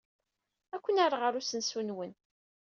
Ad ken-rreɣ ɣer usensu-nwen.